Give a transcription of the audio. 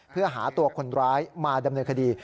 เพื่อหาตัวคนร้ายมาดำเนินคดี